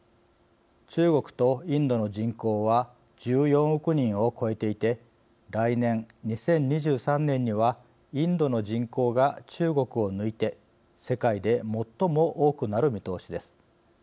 中国とインドの人口は１４億人を超えていて来年２０２３年にはインドの人口が中国を抜いて世界で最も多くなる見通しです。